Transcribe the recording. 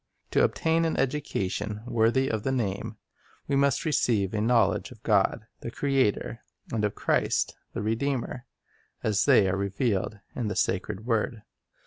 To obtain an education worthy of the name, we must receive a knowledge of God, the Creator, and of Christ, the Redeemer, as they are revealed in the sacred word.